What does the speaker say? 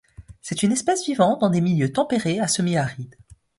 C'est une espèce vivant dans des milieux tempérés à semi-arides.